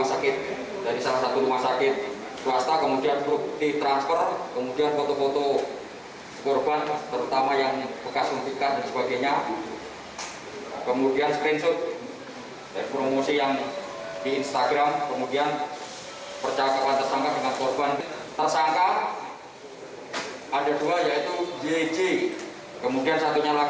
ada dua yaitu yeje kemudian satunya lagi s